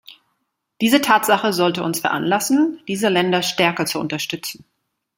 Diese Tatsache sollte uns veranlassen, diese Länder stärker zu unterstützen.